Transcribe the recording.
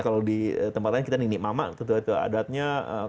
kalau di tempat lain kita nini mama tetua tetua adatnya